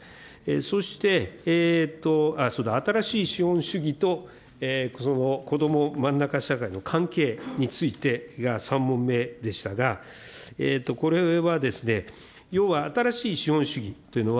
そして、そうだ、新しい資本主義とこどもまんなか社会の関係についてが３問目でしたが、これはですね、要は新しい資本主義というのは、